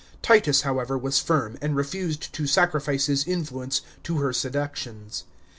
Titus, however, was firm, and refused to sacrifice his influence to her seductions.